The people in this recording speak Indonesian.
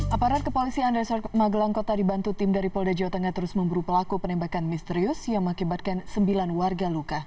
aparat kepolisian resort magelang kota dibantu tim dari polda jawa tengah terus memburu pelaku penembakan misterius yang mengakibatkan sembilan warga luka